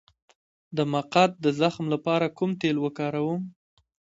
د مقعد د زخم لپاره کوم تېل وکاروم؟